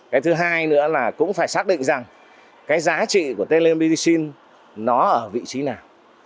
cái thứ hai nữa là cũng phải xác định rằng cái giá trị của telemedicine nó ở vị trí nào